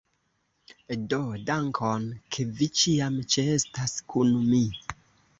Do dankon! Ke vi ĉiam ĉeestas kun mi!